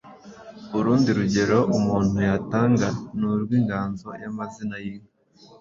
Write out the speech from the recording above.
Urundi rugero umuntu yatanga ni urw’inganzo y’amazina y’inka